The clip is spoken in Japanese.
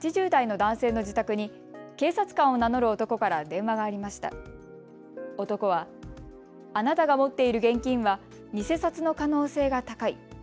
男はあなたが持っている現金は偽札の可能性が高い。